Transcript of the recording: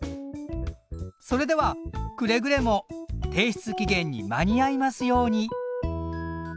それではくれぐれも提出期限に間に合いますように。